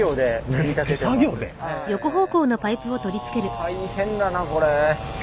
大変だなこれ。